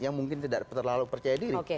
yang mungkin tidak terlalu percaya diri